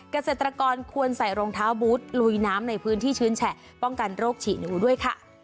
เกษตรกรควรใส่รองเท้าบูธลุยน้ำในพื้นที่ชื้นแฉะป้องกันโรคฉี่หนูด้วยค่ะ